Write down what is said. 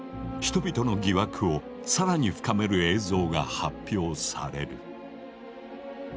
人々の疑惑を更に深める映像が発表される。